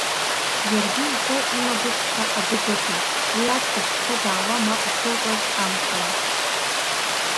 Иаргьы ихы имагәыхьха адәы дықәын, уи аӡӷаб дцо-даауа мап ахьылкуаз амшала.